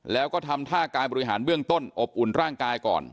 แล้วก็ทำท่าการบริหารเบื้องต้นอบอุ่นร่างกายก่อน